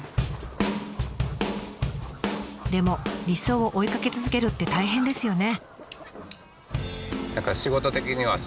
でも理想を追いかけ続けるって大変ですよね。